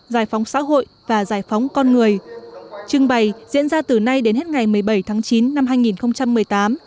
giải phóng xã hội và giải phóng con người trưng bày diễn ra từ nay đến hết ngày một mươi bảy tháng chín năm